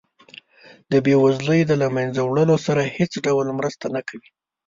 د بیوزلۍ د له مینځه وړلو سره هیڅ ډول مرسته نه کوي.